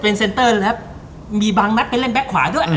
เป็นเซ็นเตอร์แล้วมีบางนัดไปเล่นแก๊กขวาด้วย